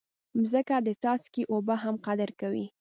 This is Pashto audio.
مځکه د څاڅکي اوبه هم قدر کوي.